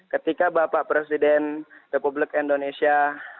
ketika bapak presiden republik indonesia